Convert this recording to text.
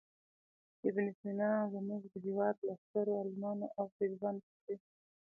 ابن سینا زموږ د هېواد له سترو عالمانو او طبیبانو څخه دی.